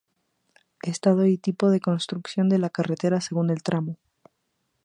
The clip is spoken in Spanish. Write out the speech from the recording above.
Estado y tipo de construcción de la carretera según el tramo